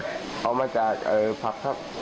ครับไม่เห็นครับไม่รู้ด้วยครับ